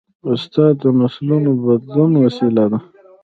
استاد د نسلونو د بدلون وسیله ده.